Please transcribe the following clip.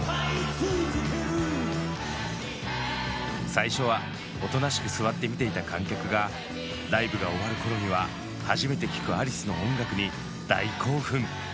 最初はおとなしく座って見ていた観客がライブが終わる頃には初めて聴くアリスの音楽に大興奮！